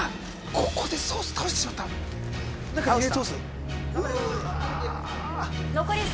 ここでソース倒してしまった倒した？